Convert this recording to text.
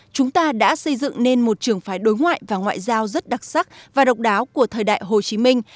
chúng ta đã xây dựng nên một trường phái đối ngoại và ngoại giao rất đặc sắc và độc đáo của thời đại hồ chí minh